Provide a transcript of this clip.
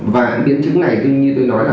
và biến trình này như tôi nói là